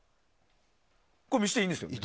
見せていいんですよね。